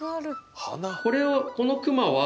これをこの熊は。